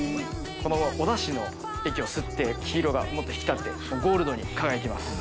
このお出汁の液を吸って黄色がもっと引き立ってゴールドに輝きます。